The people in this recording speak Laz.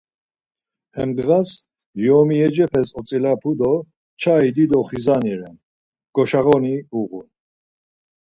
Hem ndğas yomiyecepes otzilapu do çai dido xizani ren, goşağoni uğun.